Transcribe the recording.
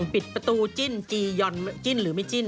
ปิดประตูจิ้นจียอนจิ้นหรือไม่จิ้น